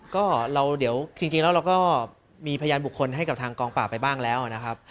ก็เราเดี๋ยวจริงแล้วเราก็มีพยานบุคคลให้กับทางกองปราบไปบ้างแล้วนะครับ